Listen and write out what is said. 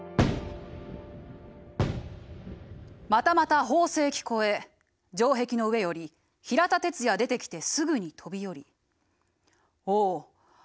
「またまた炮声聞こえ城壁の上より比良田鉄哉出てきてすぐに飛び下り」。